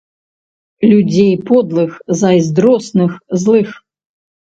Людзей подлых, зайздросных, злых.